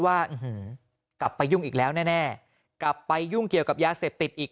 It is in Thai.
ว่ากลับไปยุ่งอีกแล้วแน่กลับไปยุ่งเกี่ยวกับยาเสพติดอีก